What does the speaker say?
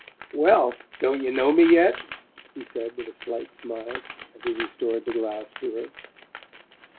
"Well don't you know me yet?" he said with a slight smile, as he restored the glass to her.